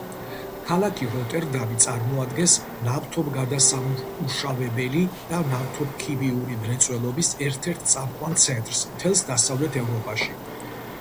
ქალაქი როტერდამი წარმოადგენს ნავთობგადასამუშავებელი და ნავთობქიმიური მრეწველობის ერთ-ერთ წამყვან ცენტრს მთელს დასავლეთ ევროპაში.